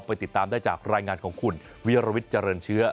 ไปติดตามได้จากรายงานของคุณวิรวิทย์เจริญเชื้อ